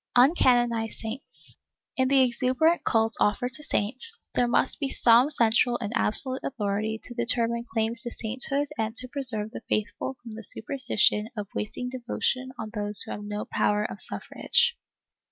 ^ Uncanonized Saints. In the exuberant cult offered to saints, there must be some cen tral and absolute authority to determine claims to sainthood and to preserve the faithful from the superstition of wasting devotion on those who have no power of suffrage.